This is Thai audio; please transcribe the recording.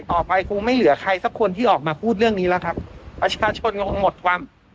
คงไม่เหลือใครสักคนที่ออกมาพูดเรื่องนี้แล้วครับประชาชนคงหมดความ